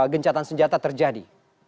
gencatan senjata terjadi